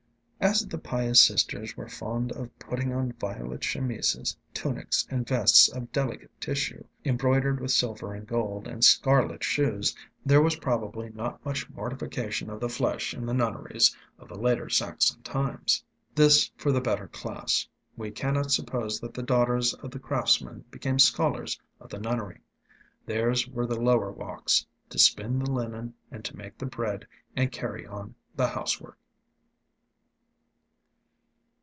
As the pious Sisters were fond of putting on violet chemises, tunics, and vests of delicate tissue, embroidered with silver and gold, and scarlet shoes, there was probably not much mortification of the flesh in the nunneries of the later Saxon times. This for the better class. We cannot suppose that the daughters of the craftsmen became scholars of the nunnery. Theirs were the lower walks to spin the linen and to make the bread and carry on the housework.